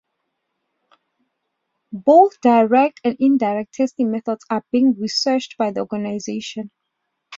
Both direct and indirect testing methods are being researched by the organization.